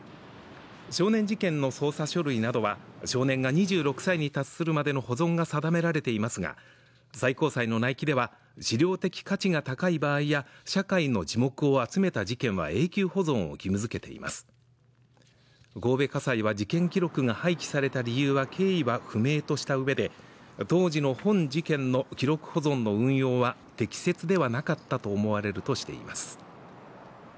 少年事件の捜査書類などは少年が２６歳に達するまでの保存が定められていますが最高裁の内規では史料的価値が高い場合や社会の耳目を集めた事件は永久保存を義務付けています神戸家裁は事件記録が廃棄された理由は経緯は不明としたうえで当時の本事件の記録保存の運用は適切ではなかったと思われるとしています